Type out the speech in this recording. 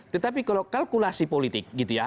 tetapi kalau kalkulasi politik gitu ya